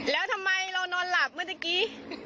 แล้วทำไมเรานอนหลับเมื่อตะกี้